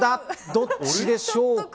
どっちでしょうか。